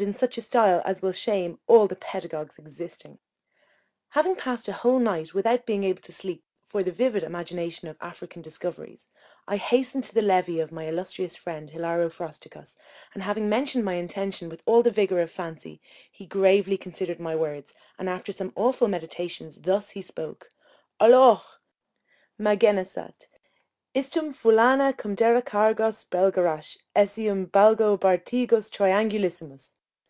in such a style as will shame all the pedagogues existing. Having passed a whole night without being able to sleep for the vivid imagination of African discoveries, I hastened to the levee of my illustrious friend Hilaro Frosticos, and having mentioned my intention with all the vigour of fancy, he gravely considered my words, and after some awful meditations thus he spoke: _Olough, ma genesat, istum fullanah, cum dera kargos belgarasah eseum balgo bartigos triangulissimus!